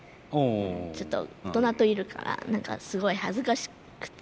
ちょっと大人といるから何かすごい恥ずかしくて。